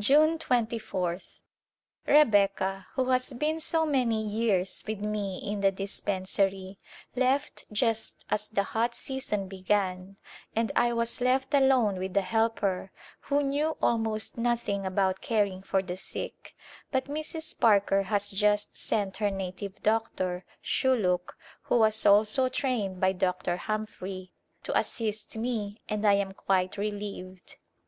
^une 2ph. Rebecca, who has been so many years with me in the dispensary, left just as the hot season began and I was left alone with a helper who knew almost nothing about caring for the sick, but Mrs. Parker has just sent her native doctor, Shuluk, — who was also trained A Glimpse of India by Dr. Humphrey — to assist me and I am quite re lieved.